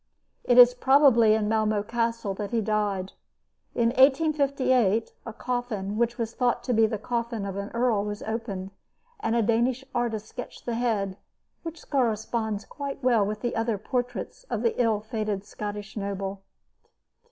It is probably in Malmo Castle that he died. In 1858 a coffin which was thought to be the coffin of the earl was opened, and a Danish artist sketched the head which corresponds quite well with the other portraits of the ill fated Scottish noble.